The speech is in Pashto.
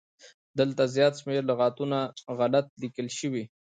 دلته زيات شمېر لغاتونه غلت ليکل شوي